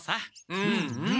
うんうん。